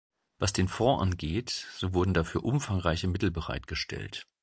Was den Fonds angeht, so wurden dafür umfangreiche Mittel bereitgestellt.